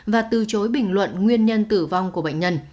và từ chối bình luận nguyên nhân tử vong của bệnh nhân